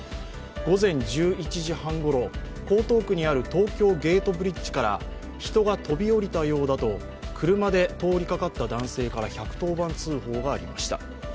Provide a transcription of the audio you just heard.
午前１１時半ごろ、江東区にある東京ゲートブリッジから人が飛び降りたようだと車で通りかかった男性から１１０番通報がありました。